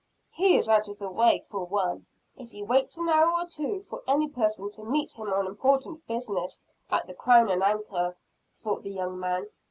"He is out of the way, for one if he waits an hour or two for any person to meet him on important business at the Crown and Anchor," thought the young man.